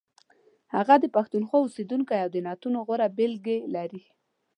هغه د پښتونخوا اوسیدونکی او د نعتونو غوره بېلګې لري.